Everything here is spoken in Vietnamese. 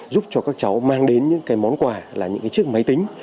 giúp cho các cháu mang đến những cái món quà là những cái chiếc máy tính